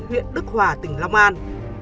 huyện đức hòa tỉnh long an